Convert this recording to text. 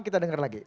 kita dengar lagi